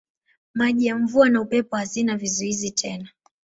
Maji ya mvua na upepo hazina vizuizi tena.